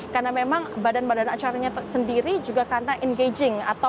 karena memang badan badan acaranya sendiri juga karena engaging